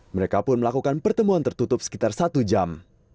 mereka pun melakukan pertemuan tertutup sekitar satu jam